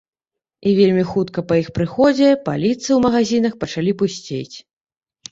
І вельмі хутка па іх прыходзе паліцы ў магазінах пачалі пусцець.